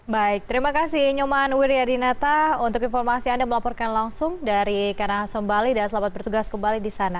baik terima kasih nyoman wiryadinata untuk informasi anda melaporkan langsung dari karangasem bali dan selamat bertugas kembali di sana